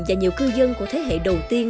và nhiều cư dân của thế hệ đầu tiên